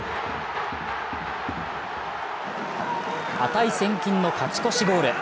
値千金の勝ち越しゴール。